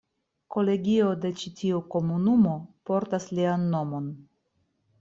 Kolegio de ĉi tiu komunumo portas lian nomon.